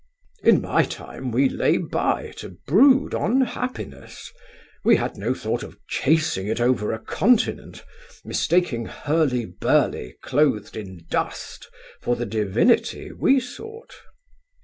In my time we lay by to brood on happiness; we had no thought of chasing it over a continent, mistaking hurly burly clothed in dust for the divinity we sought.